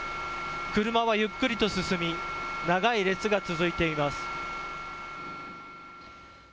車はゆっくりと進み長い列が続いています。